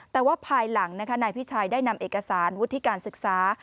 แต่ว่าภายหลังนายพิชัยได้นำเอกสารวุฒิการศึกษา